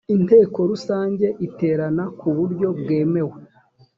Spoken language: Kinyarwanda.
inteko rusange iterana ku buryo bwemewe